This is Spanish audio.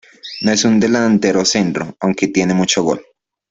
No es un delantero centro, aunque tiene mucho gol.